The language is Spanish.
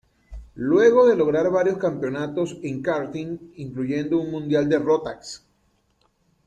Luego de lograr varios campeonatos en karting, incluyendo un mundial de Rotax.